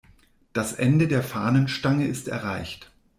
Das Ende der Fahnenstange ist erreicht.